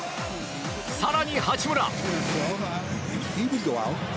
更に八村。